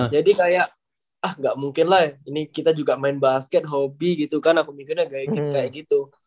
jadi kayak ah gak mungkin lah ya ini kita juga main basket hobi gitu kan aku mikirnya kayak gitu